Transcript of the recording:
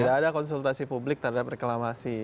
tidak ada konsultasi publik terhadap reklamasi